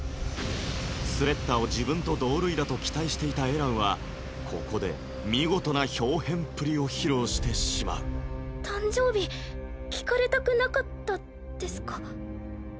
スレッタを自分と同類だと期待していたエランはここで見事な豹変っぷりを披露してしまう誕生日聞かれたくなかったですか？